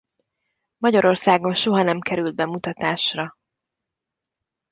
Magyarországon soha nem került bemutatásra.